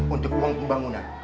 untuk uang pembangunan